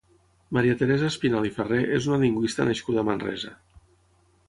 Maria Teresa Espinal i Farré és una lingüista nascuda a Manresa.